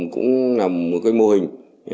cũng là một cái mô hình